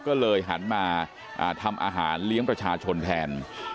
ก็เลยหันมาทำอาหารเลี้ยงประชาชนแทน